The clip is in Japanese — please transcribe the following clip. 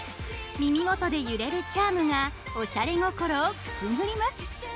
耳元で揺れるチャームがおしゃれ心をくすぐります。